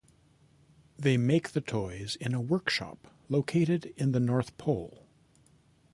They make the toys in a workshop located in the North Pole.